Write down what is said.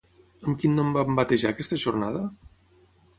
Amb quin nom van batejar aquesta jornada?